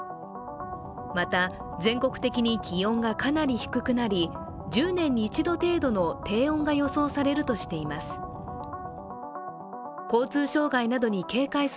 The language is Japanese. また、全国的に気温がかなり低くなり１０年に一度程度の低温が予想されるとしています。